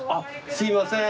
すいません。